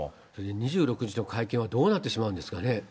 ２６日の会見はどうなってしまうんですかね。